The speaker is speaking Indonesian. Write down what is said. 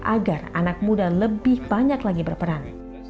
agar anak muda lebih banyak lagi berperan